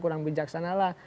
kurang bijaksana lah